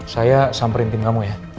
saya samperin tim kamu ya